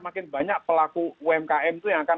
makin banyak pelaku umkm itu yang akan